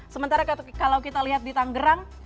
sementara kalau kita lihat di tanggerang